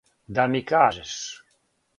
Да ми кажеш.